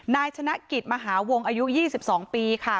นายชนะกิจมหาวงอายุ๒๒ปีค่ะ